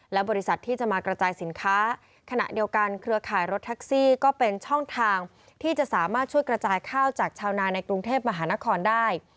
และบริษัทที่จะมากระจายสินค้าขณะเดียวกันเครือข่ายรถแท็กซี่ก็เป็นช่องทางที่จะสามารถช่วยกระจายข้าวจากชาวนาในกรุงเทพมหานครได้